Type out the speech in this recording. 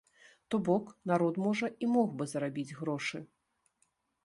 То бок, народ, можа, і мог бы зарабіць грошы.